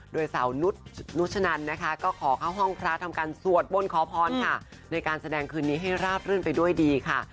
โดยสาวนุชนันนะคะก็ขอเข้าห้องพระทำการสวดบนขอพรค่ะในการแสดงคืนนี้ให้ราบรื่นไปด้วยดีค่ะ